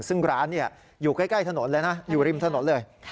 ซึ่งร้านอยู่ใกล้ถนนเลยนะอยู่ริมถนนเลย